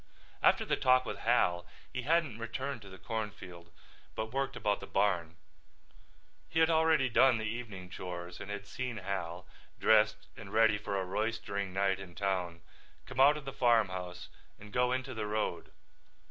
After the talk with Hal he hadn't returned to the cornfield but worked about the barn. He had already done the evening chores and had seen Hal, dressed and ready for a roistering night in town, come out of the farmhouse and go into the road.